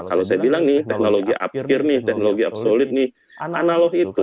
kalau saya bilang nih teknologi upgear nih teknologi up solid nih analog itu